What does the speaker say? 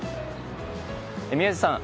宮司さん。